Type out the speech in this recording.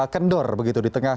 kendor begitu di tengah